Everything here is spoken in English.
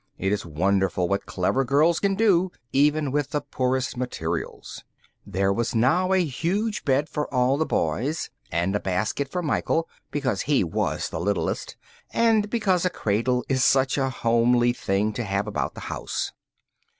It is wonderful what clever girls can do, even with the poorest materials. There was now a huge bed for all the Boys, and a basket for Michael, because he was the littlest and because a cradle is such a homely thing to have about the house.